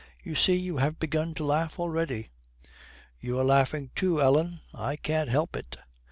You see, you have begun to laugh already.' 'You are laughing too, Ellen. I can't help it!'